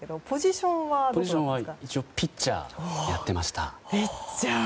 ポジションは一応、ピッチャーやってました。